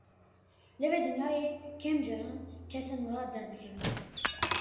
Li vê dinyayê kêm caran kesên wiha derdikevin.